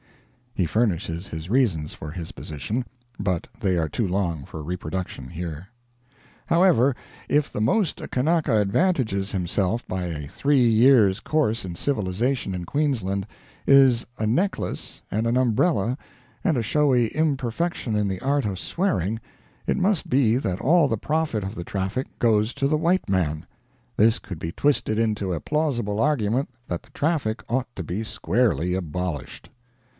He furnishes his reasons for his position, but they are too long for reproduction here. However, if the most a Kanaka advantages himself by a three years course in civilization in Queensland, is a necklace and an umbrella and a showy imperfection in the art of swearing, it must be that all the profit of the traffic goes to the white man. This could be twisted into a plausible argument that the traffic ought to be squarely abolished.